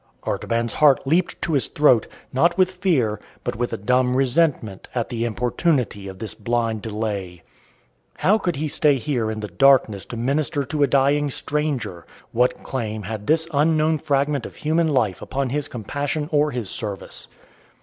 Artaban's heart leaped to his throat, not with fear, but with a dumb resentment at the importunity of this blind delay. How could he stay here in the darkness to minister to a dying stranger? What claim had this unknown fragment of human life upon his compassion or his service?